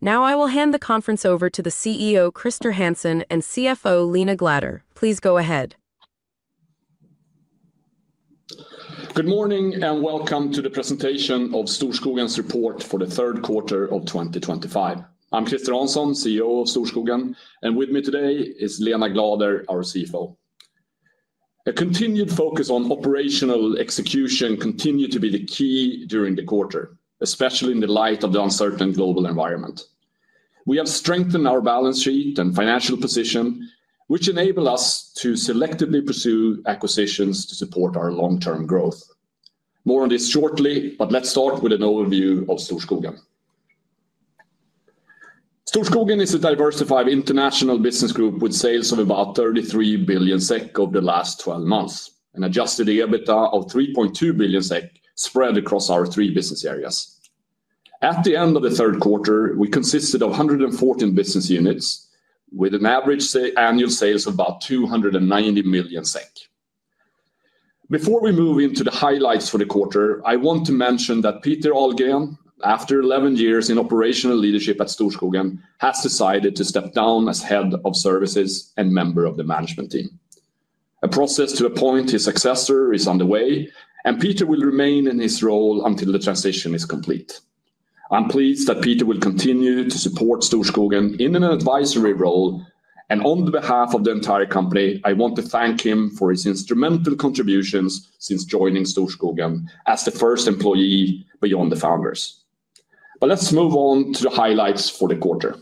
Now I will hand the conference over to the CEO, Christer Hansson, and CFO, Lena Glader. Please go ahead. Good morning and welcome to the presentation of Storskogen's report for the third quarter of 2025. I'm Christer Hansson, CEO of Storskogen, and with me today is Lena Glader, our CFO. A continued focus on operational execution continued to be the key during the quarter, especially in the light of the uncertain global environment. We have strengthened our balance sheet and financial position, which enabled us to selectively pursue acquisitions to support our long-term growth. More on this shortly, but let's start with an overview of Storskogen. Storskogen is a diversified international business group with sales of about 33 billion SEK over the last 12 months, an Adjusted EBITDA of 3.2 billion SEK spread across our three business areas. At the end of the third quarter, we consisted of 114 business units, with an average annual sales of about 290 million SEK. Before we move into the highlights for the quarter, I want to mention that Peter Ahlgren, after 11 years in operational leadership at Storskogen, has decided to step down as Head of Services and member of the management team. A process to appoint his successor is underway, and Peter will remain in his role until the transition is complete. I'm pleased that Peter will continue to support Storskogen in an advisory role, and on behalf of the entire company, I want to thank him for his instrumental contributions since joining Storskogen as the first employee beyond the founders. Let's move on to the highlights for the quarter.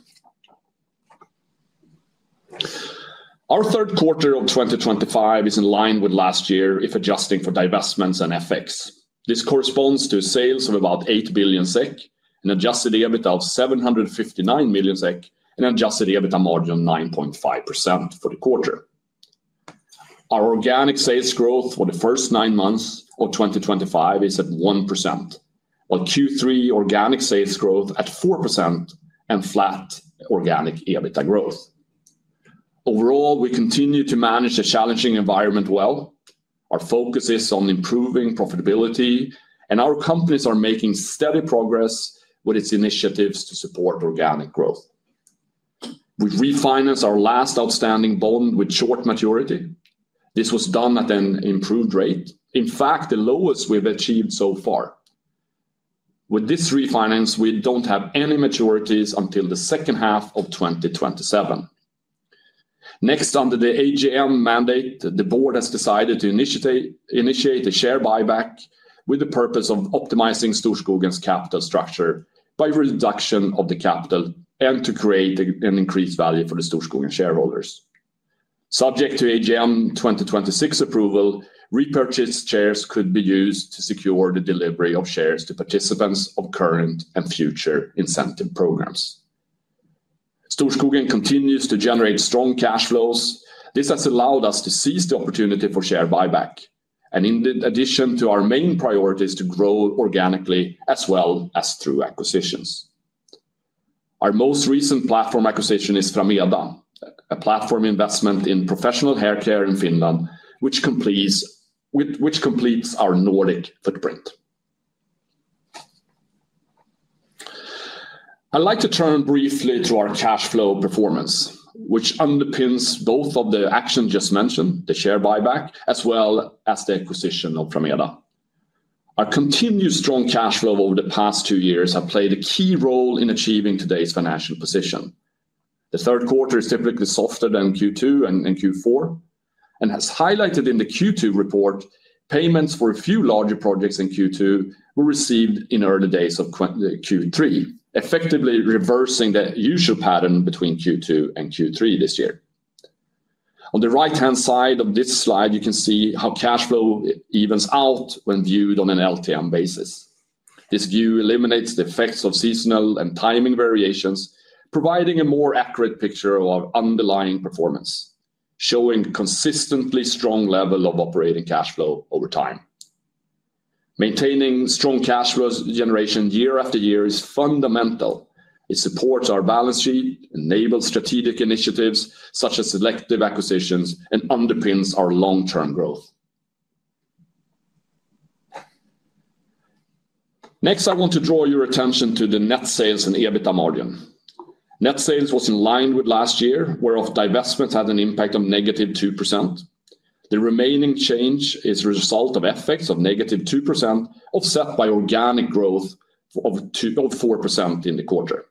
Our third quarter of 2025 is in line with last year if adjusting for divestments and FX. This corresponds to sales of about 8 billion SEK, an Adjusted EBITDA of 759 million SEK, and an Adjusted EBITDA margin of 9.5% for the quarter. Our organic sales growth for the first nine months of 2025 is at 1%. While Q3 organic sales growth is at 4% and flat organic EBITDA growth. Overall, we continue to manage a challenging environment well. Our focus is on improving profitability, and our companies are making steady progress with its initiatives to support organic growth. We refinanced our last outstanding bond with short maturity. This was done at an improved rate, in fact, the lowest we've achieved so far. With this refinance, we don't have any maturities until the second half of 2027. Next, under the AGM mandate, the board has decided to initiate a share buyback with the purpose of optimizing Storskogen's capital structure by reduction of the capital and to create an increased value for the Storskogen shareholders. Subject to AGM 2026 approval, repurchased shares could be used to secure the delivery of shares to participants of current and future incentive programs. Storskogen continues to generate strong cash flows. This has allowed us to seize the opportunity for share buyback, in addition to our main priorities to grow organically as well as through acquisitions. Our most recent platform acquisition is Frameda, a platform investment in professional hair care in Finland, which completes our Nordic footprint. I'd like to turn briefly to our cash flow performance, which underpins both of the actions just mentioned, the share buyback, as well as the acquisition of Frameda. Our continued strong cash flow over the past two years has played a key role in achieving today's financial position. The third quarter is typically softer than Q2 and Q4, and as highlighted in the Q2 report, payments for a few larger projects in Q2 were received in the early days of Q3, effectively reversing the usual pattern between Q2 and Q3 this year. On the right-hand side of this slide, you can see how cash flow evens out when viewed on an LTM basis. This view eliminates the effects of seasonal and timing variations, providing a more accurate picture of underlying performance, showing a consistently strong level of operating cash flow over time. Maintaining strong cash flow generation year after year is fundamental. It supports our balance sheet, enables strategic initiatives such as selective acquisitions, and underpins our long-term growth. Next, I want to draw your attention to the net sales and EBITDA margin. Net sales was in line with last year, where divestments had an impact of -2%. The remaining change is a result of effects of -2% offset by organic growth of 4% in the quarter.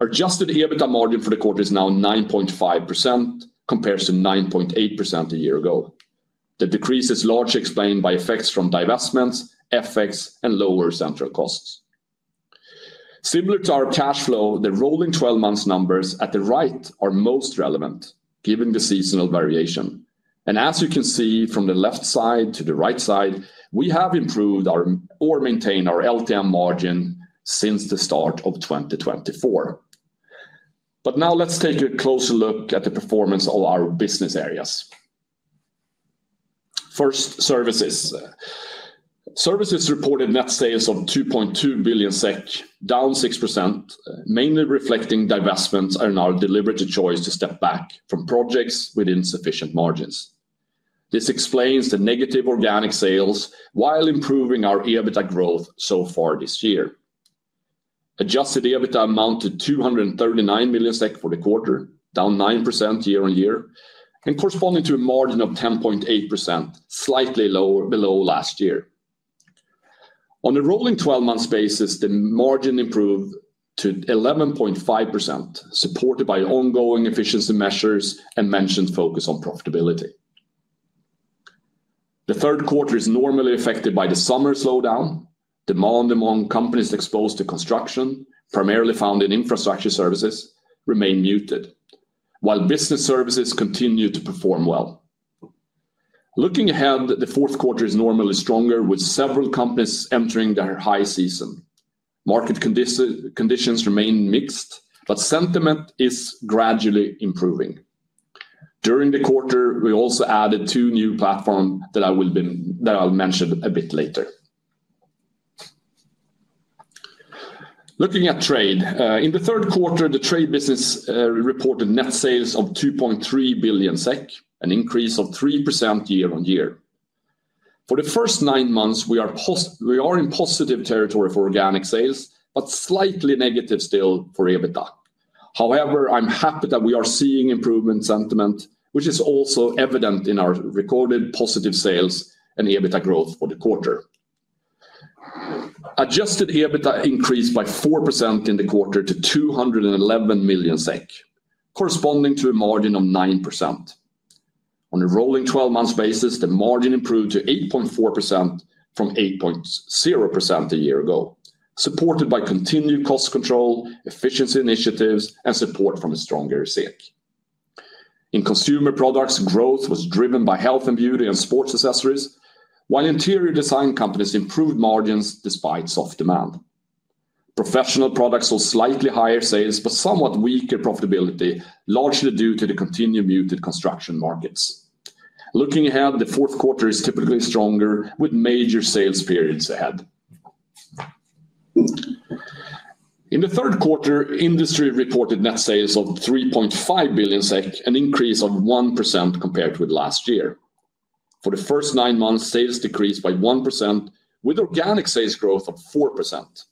Our Adjusted EBITDA margin for the quarter is now 9.5% compared to 9.8% a year ago. The decrease is largely explained by effects from divestments, FX, and lower central costs. Similar to our cash flow, the rolling 12-month numbers at the right are most relevant, given the seasonal variation. As you can see from the left side to the right side, we have improved or maintained our LTM margin since the start of 2024. Now let's take a closer look at the performance of our business areas. First, services. Services reported net sales of 2.2 billion SEK, down 6%, mainly reflecting divestments and our deliberate choice to step back from projects with insufficient margins. This explains the negative organic sales while improving our EBITDA growth so far this year. Adjusted EBITDA amounted to 239 million SEK for the quarter, down 9% year on year, and corresponding to a margin of 10.8%, slightly below last year. On a rolling 12-month basis, the margin improved to 11.5%, supported by ongoing efficiency measures and mentioned focus on profitability. The third quarter is normally affected by the summer slowdown. Demand among companies exposed to construction, primarily found in infrastructure services, remained muted, while business services continued to perform well. Looking ahead, the fourth quarter is normally stronger, with several companies entering their high season. Market conditions remain mixed, but sentiment is gradually improving. During the quarter, we also added two new platforms that I will mention a bit later. Looking at Trade, in the third quarter, the Trade business reported net sales of 2.3 billion SEK, an increase of 3% year on year. For the first nine months, we are in positive territory for organic sales, but slightly negative still for EBITDA. However, I'm happy that we are seeing improvement sentiment, which is also evident in our recorded positive sales and EBITDA growth for the quarter. Adjusted EBITDA increased by 4% in the quarter to 211 million SEK, corresponding to a margin of 9%. On a rolling 12-month basis, the margin improved to 8.4% from 8.0% a year ago, supported by continued cost control, efficiency initiatives, and support from a stronger SEK. In consumer products, growth was driven by health and beauty and sports accessories, while interior design companies improved margins despite soft demand. Professional products saw slightly higher sales but somewhat weaker profitability, largely due to the continued muted construction markets. Looking ahead, the fourth quarter is typically stronger, with major sales periods ahead. In the third quarter, Industry reported net sales of 3.5 billion SEK, an increase of 1% compared with last year. For the first nine months, sales decreased by 1%, with organic sales growth of 4%.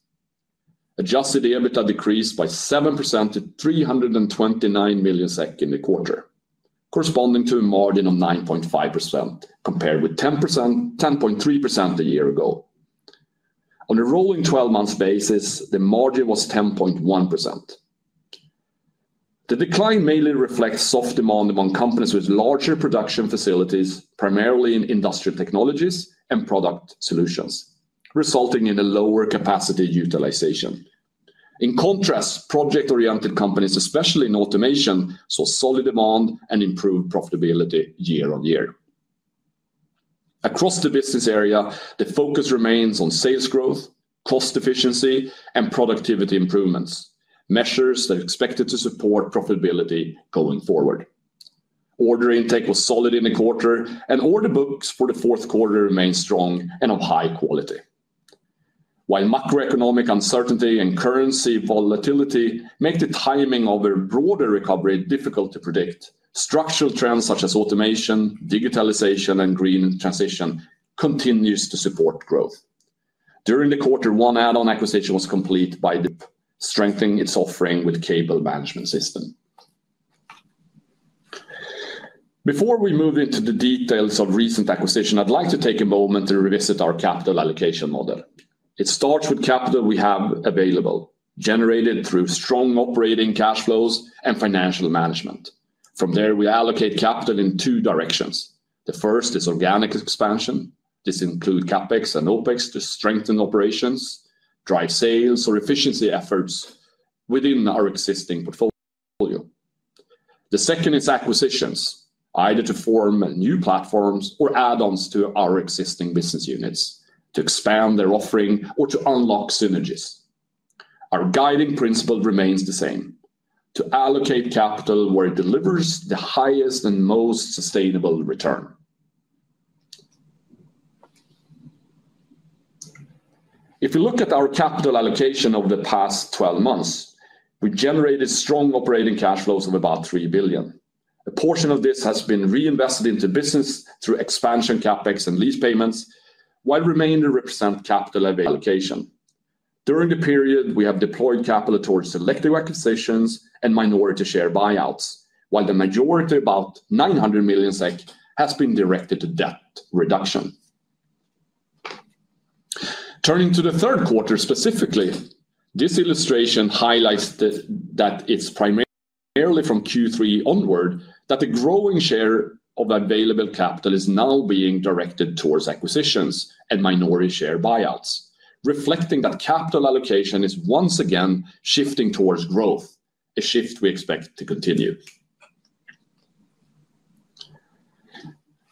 Adjusted EBITDA decreased by 7% to 329 million SEK in the quarter, corresponding to a margin of 9.5% compared with 10.3% a year ago. On a rolling 12-month basis, the margin was 10.1%. The decline mainly reflects soft demand among companies with larger production facilities, primarily in industrial technologies and product solutions, resulting in a lower capacity utilization. In contrast, project-oriented companies, especially in automation, saw solid demand and improved profitability year on year. Across the business area, the focus remains on sales growth, cost efficiency, and productivity improvements, measures that are expected to support profitability going forward. Order intake was solid in the quarter, and order books for the fourth quarter remained strong and of high quality. While macroeconomic uncertainty and currency volatility make the timing of a broader recovery difficult to predict, structural trends such as automation, digitalization, and green transition continue to support growth. During the quarter, one add-on acquisition was completed by Deep, strengthening its offering with a cable management system. Before we move into the details of recent acquisition, I'd like to take a moment to revisit our capital allocation model. It starts with capital we have available, generated through strong operating cash flows and financial management. From there, we allocate capital in two directions. The first is organic expansion. This includes CapEx and OpEx to strengthen operations, drive sales, or efficiency efforts within our existing portfolio. The second is acquisitions, either to form new platforms or add-ons to our existing business units, to expand their offering, or to unlock synergies. Our guiding principle remains the same: to allocate capital where it delivers the highest and most sustainable return. If we look at our capital allocation over the past 12 months, we generated strong operating cash flows of about 3 billion. A portion of this has been reinvested into business through expansion CapEx and lease payments, while the remainder represents capital allocation. During the period, we have deployed capital towards selective acquisitions and minority share buyouts, while the majority, about 900 million SEK, has been directed to debt reduction. Turning to the third quarter specifically, this illustration highlights that it is primarily from Q3 onward that the growing share of available capital is now being directed towards acquisitions and minority share buyouts, reflecting that capital allocation is once again shifting towards growth, a shift we expect to continue.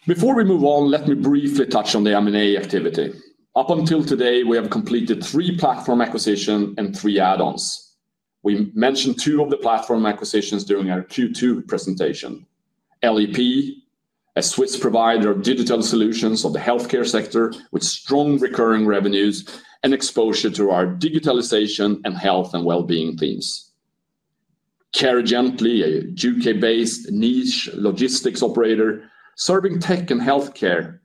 Before we move on, let me briefly touch on the M&A activity. Up until today, we have completed three platform acquisitions and three add-ons. We mentioned two of the platform acquisitions during our Q2 presentation: LEP, a Swiss provider of digital solutions for the healthcare sector with strong recurring revenues and exposure to our digitalization and health and well-being themes. Carigently, a U.K. based niche logistics operator serving tech and healthcare,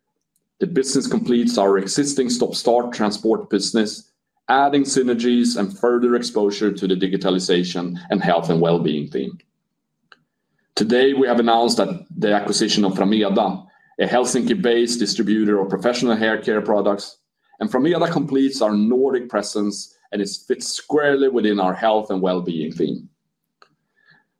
the business completes our existing stop-start transport business, adding synergies and further exposure to the digitalization and health and well-being theme. Today, we have announced the acquisition of Frameda, a Helsinki-based distributor of professional hair care products, and Frameda completes our Nordic presence and fits squarely within our health and well-being theme.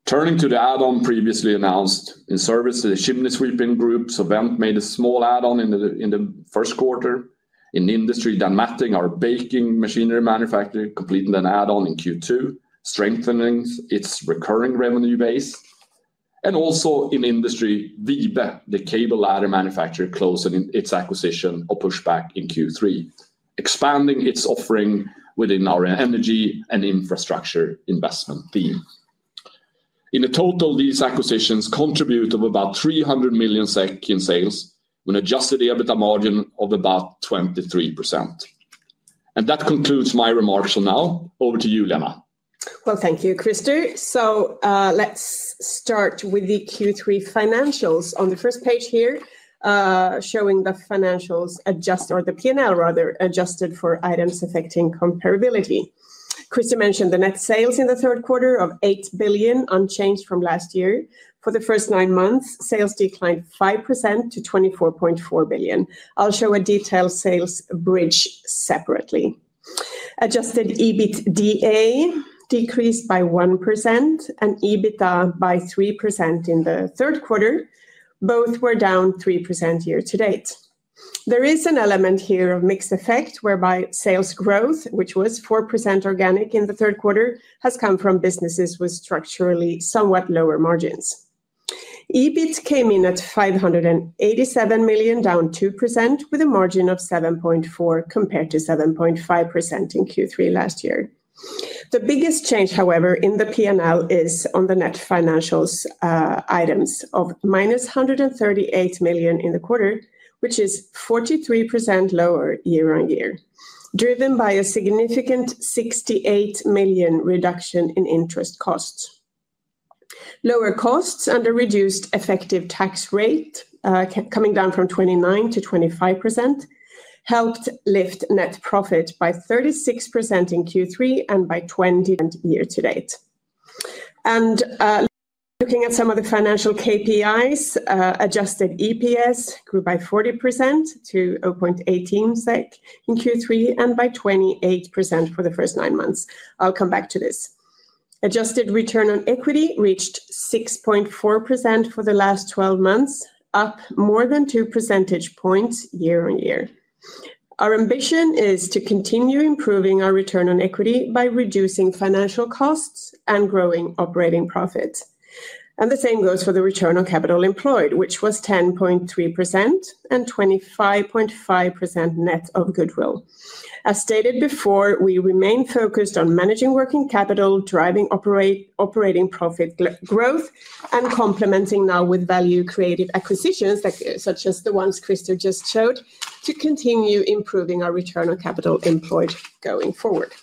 Turning to the add-on previously announced, in services of Shimney Sweeping Group, Sovent made a small add-on in the first quarter in the industry that mapped our baking machinery manufacturer, completing an add-on in Q2, strengthening its recurring revenue base, and also in industry Vibe, the cable ladder manufacturer, closing its acquisition or pushback in Q3, expanding its offering within our energy and infrastructure investment theme. In total, these acquisitions contribute to about 300 million SEK in sales with an Adjusted EBITDA margin of about 23%. That concludes my remarks for now. Over to you, Lena. Thank you, Christer. Let us start with the Q3 financials on the first page here, showing the financials adjusted, or the P&L rather, adjusted for items affecting comparability. Christer mentioned the net sales in the third quarter of 8 billion, unchanged from last year. For the first nine months, sales declined 5% to 24.4 billion. I will show a detailed sales bridge separately. Adjusted EBITDA decreased by 1% and EBITDA by 3% in the third quarter. Both were down 3% year to date. There is an element here of mixed effect, whereby sales growth, which was 4% organic in the third quarter, has come from businesses with structurally somewhat lower margins. EBIT came in at 587 million, down 2%, with a margin of 7.4% compared to 7.5% in Q3 last year. The biggest change, however, in the P&L is on the net financials items of -138 million in the quarter, which is 43% lower year on year, driven by a significant 68 million reduction in interest costs. Lower costs and a reduced effective tax rate, coming down from 29% to 25%. Helped lift net profit by 36% in Q3 and by 20% year to date. Looking at some of the financial KPIs, adjusted EPS grew by 40% to 0.18 SEK in Q3 and by 28% for the first nine months. I'll come back to this. Adjusted return on equity reached 6.4% for the last 12 months, up more than two percentage points year on year. Our ambition is to continue improving our return on equity by reducing financial costs and growing operating profits. The same goes for the return on capital employed, which was 10.3% and 25.5% net of goodwill. As stated before, we remain focused on managing working capital, driving operating profit growth, and complementing now with value creative acquisitions such as the ones Christer just showed to continue improving our return on capital employed going forward.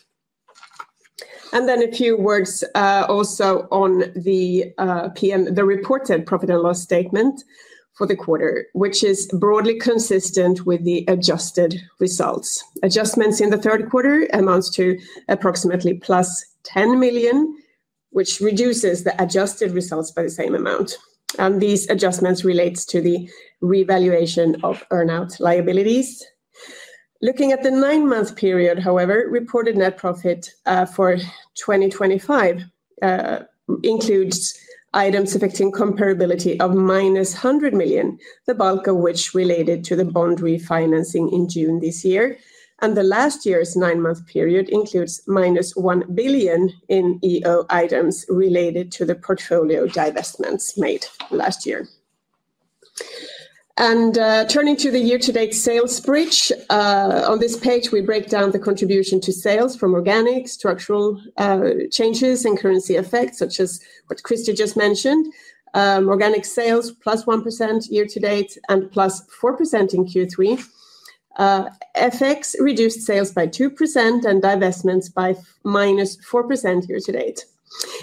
A few words also on the reported profit and loss statement for the quarter, which is broadly consistent with the adjusted results. Adjustments in the third quarter amount to approximately +10 million, which reduces the adjusted results by the same amount. These adjustments relate to the revaluation of earn-out liabilities. Looking at the nine-month period, however, reported net profit for 2025 includes items affecting comparability of -100 million, the bulk of which related to the bond refinancing in June this year. Last year's nine-month period includes -1 billion in EO items related to the portfolio divestments made last year. Turning to the year-to-date sales bridge, on this page, we break down the contribution to sales from organic, structural changes, and currency effects, such as what Christer just mentioned. Organic sales +1% year to date and +4% in Q3. FX reduced sales by 2% and divestments by -4% year to date.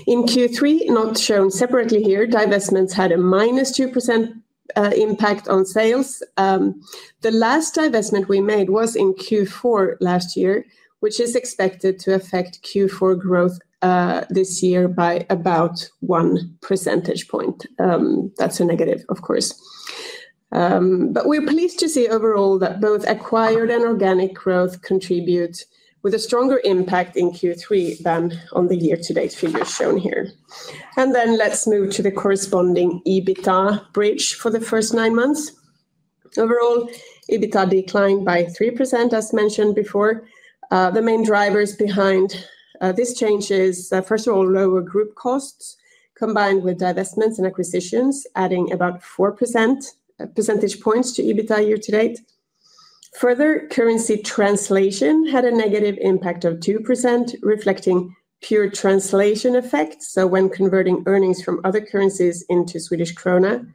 In Q3, not shown separately here, divestments had a -2% impact on sales. The last divestment we made was in Q4 last year, which is expected to affect Q4 growth this year by about one percentage point. That's a negative, of course. We're pleased to see overall that both acquired and organic growth contribute with a stronger impact in Q3 than on the year-to-date figures shown here. Let's move to the corresponding EBITDA bridge for the first nine months. Overall, EBITDA declined by 3%, as mentioned before. The main drivers behind this change are, first of all, lower group costs combined with divestments and acquisitions, adding about 4 percentage points to EBITDA year to date. Further, currency translation had a negative impact of 2%, reflecting pure translation effects, so when converting earnings from other currencies into Swedish krona.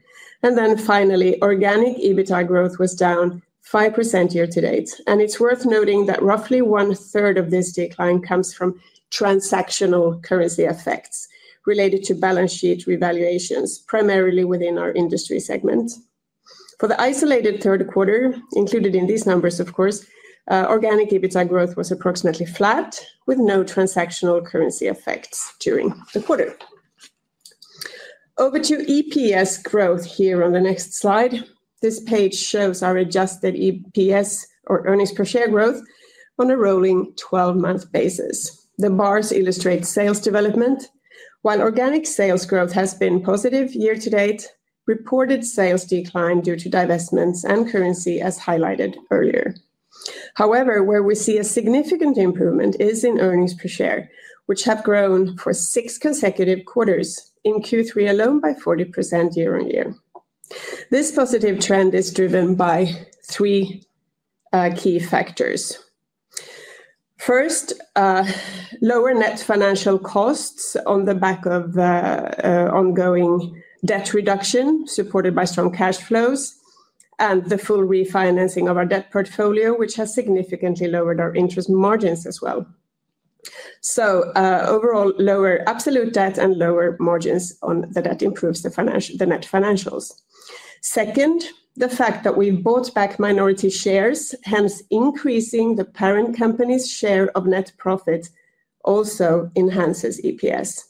Finally, organic EBITDA growth was down 5% year to date. It's worth noting that roughly one-third of this decline comes from transactional currency effects related to balance sheet revaluations, primarily within our industry segment. For the isolated third quarter, included in these numbers, of course, organic EBITDA growth was approximately flat, with no transactional currency effects during the quarter. Over to EPS growth here on the next slide. This page shows our adjusted EPS, or earnings per share growth, on a rolling 12-month basis. The bars illustrate sales development. While organic sales growth has been positive year to date, reported sales declined due to divestments and currency, as highlighted earlier. However, where we see a significant improvement is in earnings per share, which have grown for six consecutive quarters in Q3 alone by 40% year on year. This positive trend is driven by three key factors. First, lower net financial costs on the back of ongoing debt reduction supported by strong cash flows and the full refinancing of our debt portfolio, which has significantly lowered our interest margins as well. Overall, lower absolute debt and lower margins on the debt improves the net financials. Second, the fact that we bought back minority shares, hence increasing the parent company's share of net profit, also enhances EPS.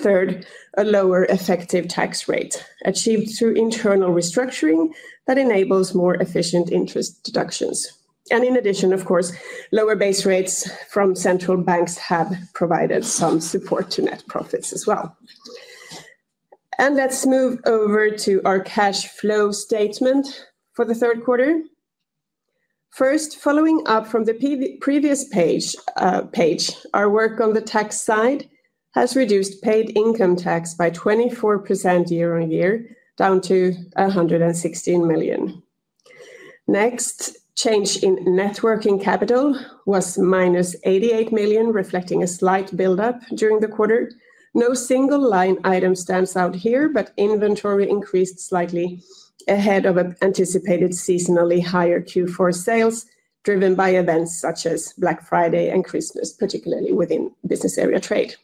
Third, a lower effective tax rate achieved through internal restructuring that enables more efficient interest deductions. In addition, of course, lower base rates from central banks have provided some support to net profits as well. Let's move over to our cash flow statement for the third quarter. First, following up from the previous page, our work on the tax side has reduced paid income tax by 24% year on year, down to 116 million. Next, change in net working capital was -88 million, reflecting a slight build-up during the quarter. No single line item stands out here, but inventory increased slightly ahead of anticipated seasonally higher Q4 sales, driven by events such as Black Friday and Christmas, particularly within business area Trade.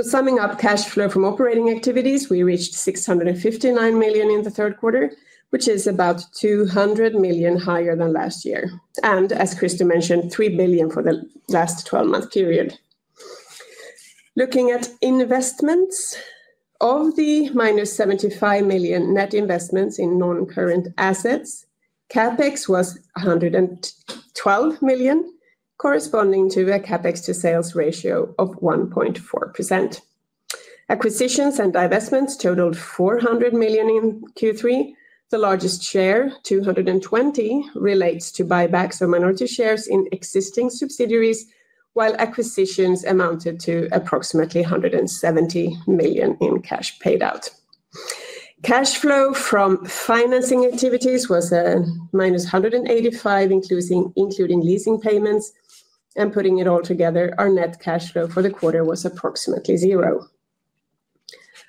Summing up cash flow from operating activities, we reached 659 million in the third quarter, which is about 200 million higher than last year. As Christer mentioned, 3 billion for the last 12-month period. Looking at investments, of the -75 million net investments in non-current assets, CapEx was 112 million, corresponding to a CapEx to sales ratio of 1.4%. Acquisitions and divestments totaled 400 million in Q3. The largest share, 220 million, relates to buybacks of minority shares in existing subsidiaries, while acquisitions amounted to approximately 170 million in cash paid out. Cash flow from financing activities was -185 million, including leasing payments. Putting it all together, our net cash flow for the quarter was approximately zero.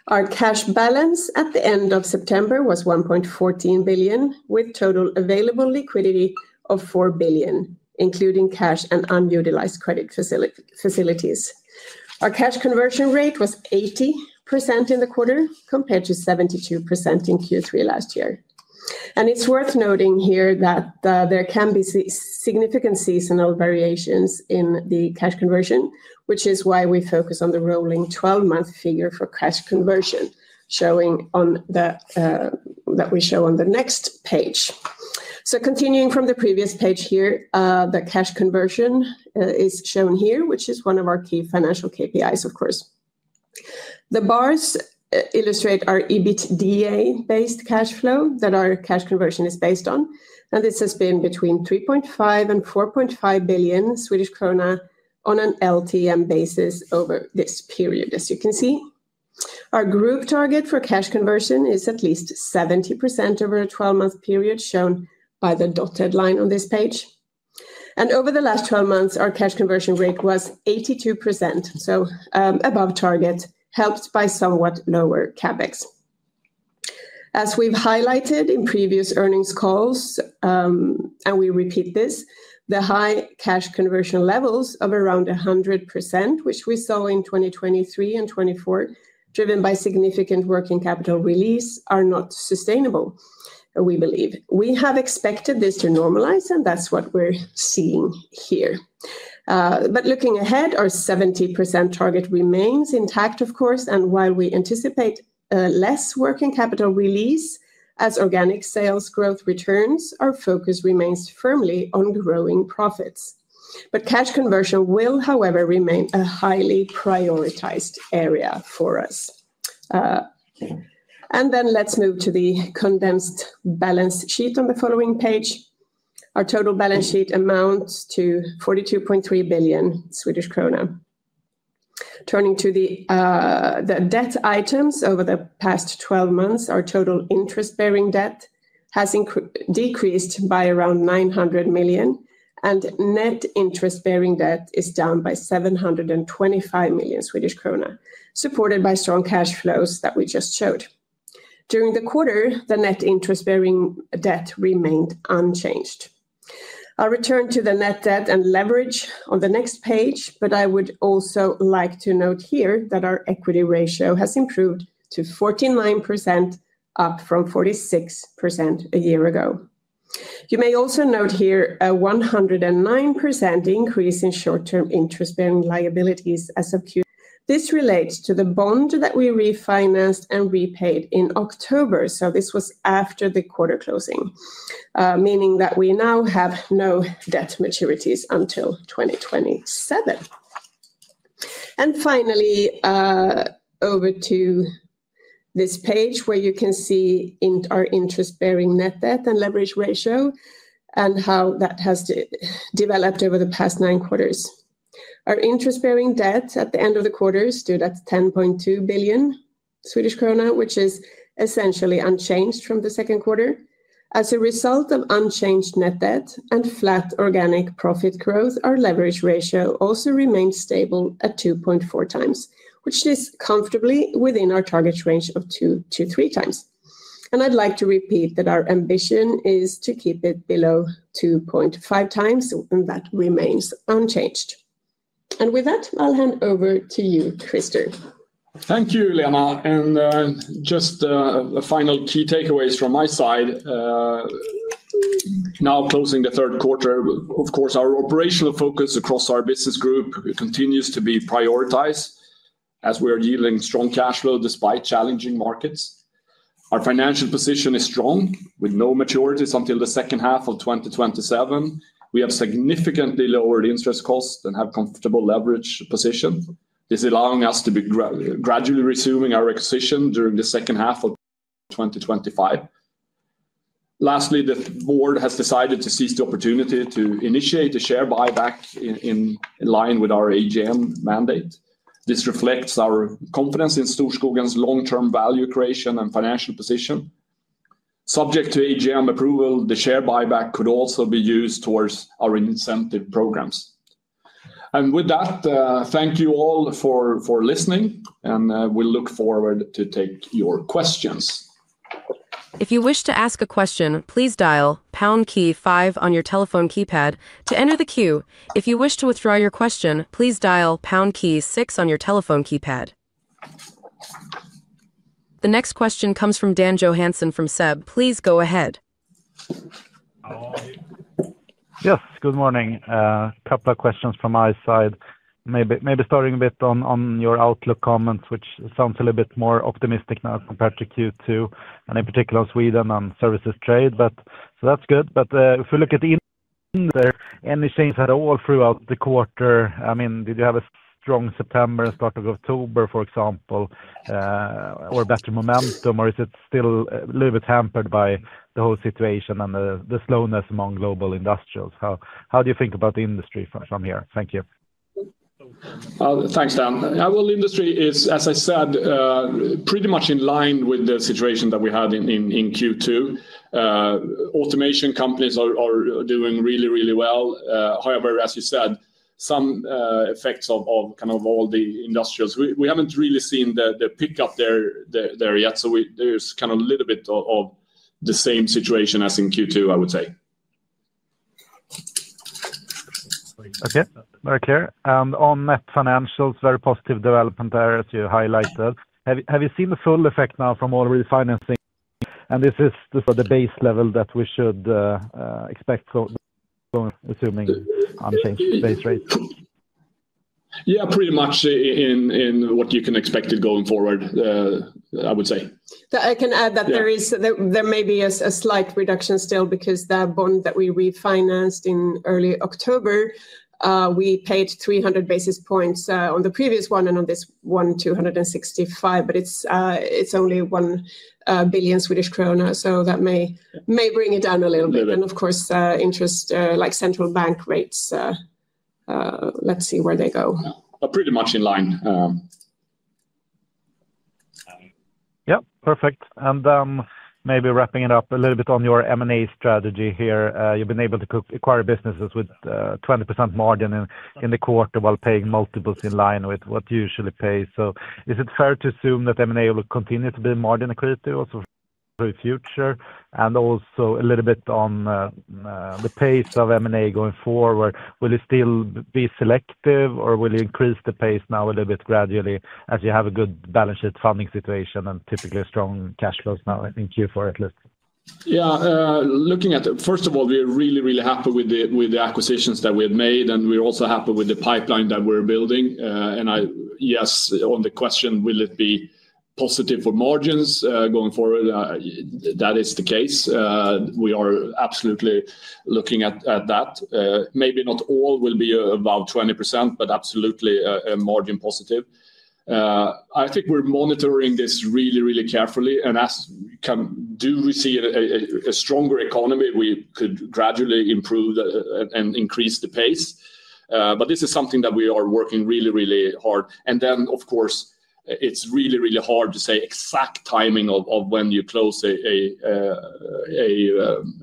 Our cash balance at the end of September was 1.14 billion, with total available liquidity of 4 billion, including cash and unutilized credit facilities. Our cash conversion rate was 80% in the quarter compared to 72% in Q3 last year. It is worth noting here that there can be significant seasonal variations in the cash conversion, which is why we focus on the rolling 12-month figure for cash conversion, showing on the. That we show on the next page. Continuing from the previous page here, the cash conversion is shown here, which is one of our key financial KPIs, of course. The bars illustrate our EBITDA-based cash flow that our cash conversion is based on. This has been between 3.5 billion-4.5 billion Swedish krona on an LTM basis over this period, as you can see. Our group target for cash conversion is at least 70% over a 12-month period, shown by the dotted line on this page. Over the last 12 months, our cash conversion rate was 82%, so above target, helped by somewhat lower CapEx. As we have highlighted in previous earnings calls, and we repeat this, the high cash conversion levels of around 100%, which we saw in 2023 and 2024, driven by significant working capital release, are not sustainable. We believe. We have expected this to normalize, and that is what we are seeing here. Looking ahead, our 70% target remains intact, of course, and while we anticipate less working capital release as organic sales growth returns, our focus remains firmly on growing profits. Cash conversion will, however, remain a highly prioritized area for us. Let's move to the condensed balance sheet on the following page. Our total balance sheet amounts to 42.3 billion Swedish krona. Turning to the debt items over the past 12 months, our total interest-bearing debt has decreased by around 900 million, and net interest-bearing debt is down by 725 million Swedish krona, supported by strong cash flows that we just showed. During the quarter, the net interest-bearing debt remained unchanged. I will return to the net debt and leverage on the next page, but I would also like to note here that our equity ratio has improved to 49%, up from 46% a year ago. You may also note here a 109% increase in short-term interest-bearing liabilities as of. This relates to the bond that we refinanced and repaid in October, so this was after the quarter closing, meaning that we now have no debt maturities until 2027. Finally, over to this page where you can see our interest-bearing net debt and leverage ratio and how that has developed over the past nine quarters. Our interest-bearing debt at the end of the quarter stood at 10.2 billion Swedish krona, which is essentially unchanged from the second quarter. As a result of unchanged net debt and flat organic profit growth, our leverage ratio also remains stable at 2.4 times, which is comfortably within our target range of 2-3 times. I would like to repeat that our ambition is to keep it below 2.5 times, and that remains unchanged. With that, I will hand over to you, Christer. Thank you, Lena. Just the final key takeaways from my side. Now closing the third quarter, of course, our operational focus across our business group continues to be prioritized as we are yielding strong cash flow despite challenging markets. Our financial position is strong. With no maturities until the second half of 2027, we have significantly lowered interest costs and have a comfortable leverage position. This is allowing us to be gradually resuming our acquisition during the second half of 2025. Lastly, the board has decided to seize the opportunity to initiate a share buyback in line with our AGM mandate. This reflects our confidence in Storskogen's long-term value creation and financial position. Subject to AGM approval, the share buyback could also be used towards our incentive programs. Thank you all for listening, and we look forward to taking your questions. If you wish to ask a question, please dial pound key five on your telephone keypad to enter the queue. If you wish to withdraw your question, please dial pound key six on your telephone keypad. The next question comes from Dan Johansen from SEB. Please go ahead. Yes, good morning. A couple of questions from my side. Maybe starting a bit on your outlook comments, which sounds a little bit more optimistic now compared to Q2, and in particular Sweden and services trade. That is good. If we look at any change at all throughout the quarter, I mean, did you have a strong September and start of October, for example, or better momentum? Or is it still a little bit hampered by the whole situation and the slowness among global industrials? How do you think about the industry from here? Thank you. Thanks, Dan. Industry is, as I said, pretty much in line with the situation that we had in Q2. Automation companies are doing really, really well. However, as you said, some effects of kind of all the industrials, we have not really seen the pickup there yet. There is kind of a little bit of the same situation as in Q2, I would say. Okay, very clear. On net financials, very positive development there, as you highlighted. Have you seen the full effect now from all refinancing? Is this the base level that we should expect from assuming unchanged base rate? Yeah, pretty much in what you can expect going forward, I would say. I can add that there may be a slight reduction still because the bond that we refinanced in early October, we paid 300 basis points on the previous one and on this one, 265. It is only 1 billion Swedish krona, so that may bring it down a little bit. Of course, interest like central bank rates, let us see where they go. Pretty much in line. Yeah, perfect. Maybe wrapping it up a little bit on your M&A strategy here. You have been able to acquire businesses with a 20% margin in the quarter while paying multiples in line with what you usually pay. Is it fair to assume that M&A will continue to be a margin equity also for the future? And also a little bit on. The pace of M&A going forward. Will it still be selective or will you increase the pace now a little bit gradually as you have a good balance sheet funding situation and typically strong cash flows now in Q4 at least? Yeah, looking at it, first of all, we are really, really happy with the acquisitions that we had made. And we're also happy with the pipeline that we're building. Yes, on the question, will it be positive for margins going forward? That is the case. We are absolutely looking at that. Maybe not all will be about 20%, but absolutely a margin positive. I think we're monitoring this really, really carefully. As we do receive a stronger economy, we could gradually improve and increase the pace. This is something that we are working really, really hard. Of course, it's really, really hard to say exact timing of when you close an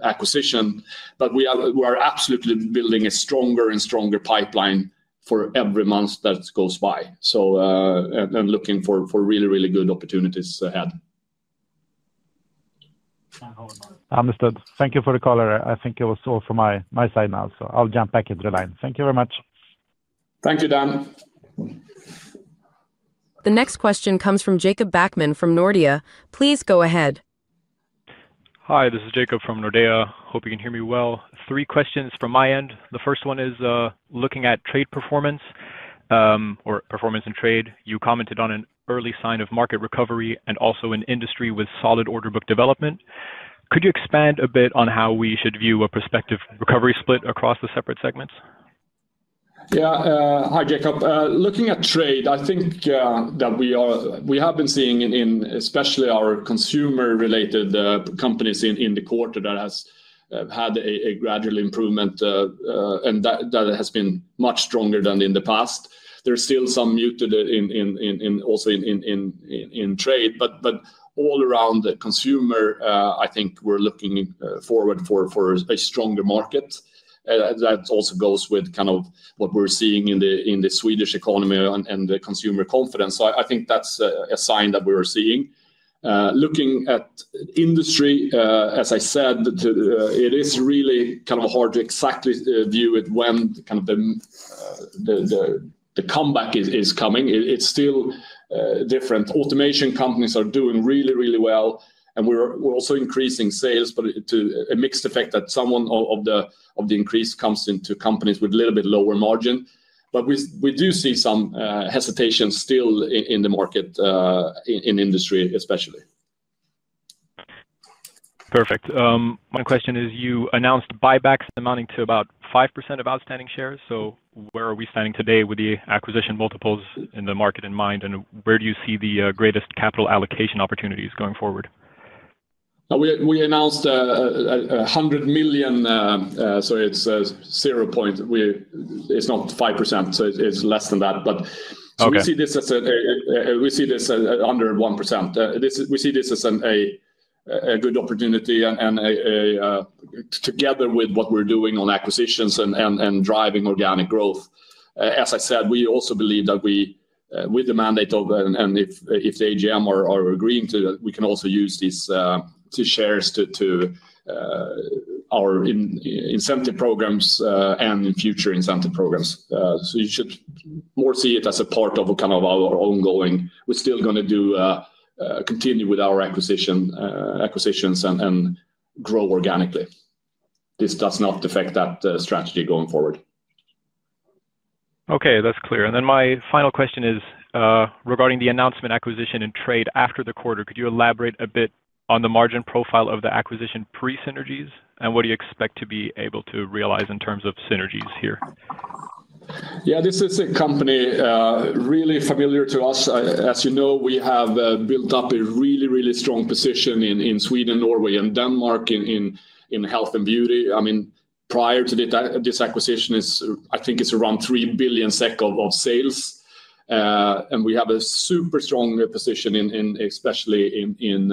acquisition. We are absolutely building a stronger and stronger pipeline for every month that goes by. Looking for really, really good opportunities ahead. Understood. Thank you for the call. I think it was all from my side now, so I'll jump back into the line. Thank you very much. Thank you, Dan. The next question comes from Jacob Backman from Nordea. Please go ahead. Hi, this is Jacob from Nordea. Hope you can hear me well. Three questions from my end. The first one is looking at trade performance or performance in trade. You commented on an early sign of market recovery and also an industry with solid order book development. Could you expand a bit on how we should view a prospective recovery split across the separate segments? Yeah, hi, Jacob. Looking at trade, I think that we have been seeing, especially our consumer-related companies in the quarter, that has had a gradual improvement. That has been much stronger than in the past. There's still some muted also in trade. All around the consumer, I think we're looking forward for a stronger market. That also goes with kind of what we're seeing in the Swedish economy and the consumer confidence. I think that's a sign that we are seeing. Looking at industry, as I said, it is really kind of hard to exactly view it when kind of the comeback is coming. It's still different. Automation companies are doing really, really well. We're also increasing sales, but to a mixed effect that some of the increase comes into companies with a little bit lower margin. We do see some hesitation still in the market, in industry especially. Perfect. My question is, you announced buybacks amounting to about 5% of outstanding shares. Where are we standing today with the acquisition multiples in the market in mind? Where do you see the greatest capital allocation opportunities going forward? We announced 100 million. So it's zero point. It's not 5%, so it's less than that. We see this under 1%. We see this as a good opportunity. Together with what we're doing on acquisitions and driving organic growth. As I said, we also believe that with the mandate of, and if the AGM are agreeing to that, we can also use these shares to our incentive programs and future incentive programs. You should more see it as a part of kind of our ongoing. We're still going to continue with our acquisitions and grow organically. This does not affect that strategy going forward. Okay, that's clear. My final question is regarding the announcement acquisition and trade after the quarter. Could you elaborate a bit on the margin profile of the acquisition pre-synergies? What do you expect to be able to realize in terms of synergies here? Yeah, this is a company really familiar to us. As you know, we have built up a really, really strong position in Sweden, Norway, and Denmark in health and beauty. I mean, prior to this acquisition, I think it's around 3 billion SEK of sales. We have a super strong position, especially in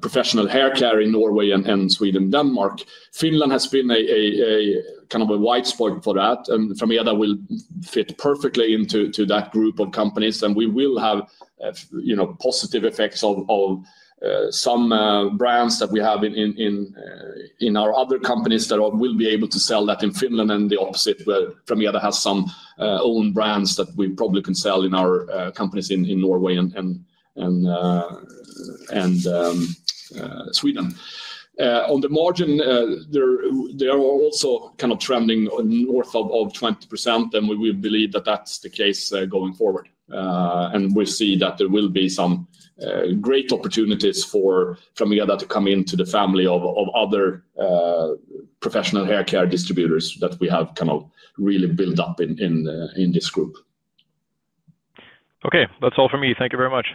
professional hair care in Norway and Sweden and Denmark. Finland has been a kind of a white spot for that, and Frameda will fit perfectly into that group of companies. We will have positive effects of some brands that we have in our other companies that will be able to sell that in Finland, and the opposite, where Frameda has some own brands that we probably can sell in our companies in Norway and Sweden. On the margin, they are also kind of trending north of 20%, and we believe that that's the case going forward. We see that there will be some great opportunities for Frameda to come into the family of other professional hair care distributors that we have kind of really built up in this group. Okay, that's all from me. Thank you very much.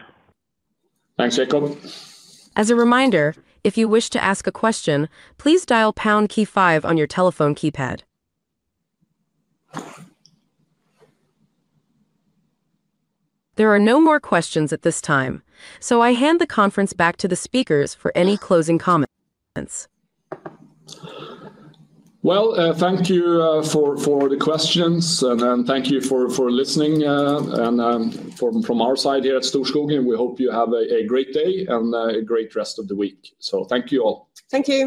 Thanks, Jacob. As a reminder, if you wish to ask a question, please dial pound key five on your telephone keypad. There are no more questions at this time, so I hand the conference back to the speakers for any closing comments. Thank you for the questions. Thank you for listening. From our side here at Storskogen, we hope you have a great day and a great rest of the week. Thank you all. Thank you.